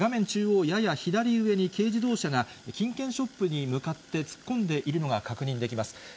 中央、やや左上に軽自動車が、金券ショップに向かって突っ込んでいるのが確認できます。